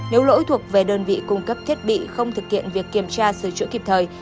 nếu lỗi thuộc về đơn vị cung cấp thiết bị không thực hiện việc kiểm tra sửa chữa kịp thời